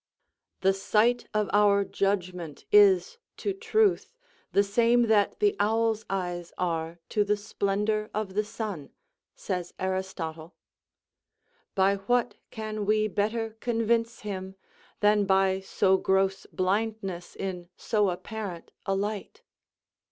The sight of our judgment is, to truth, the same that the owl's eyes are to the splendour of the sun, says Aristotle. By what can we better convince him, than by so gross blindness in so apparent a light?